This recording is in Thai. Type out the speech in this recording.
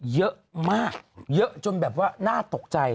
เยอะมากเยอะจนแบบว่าน่าตกใจ